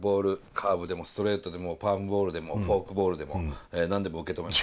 カーブでもストレートでもパームボールでもフォークボールでも何でも受け止めます」。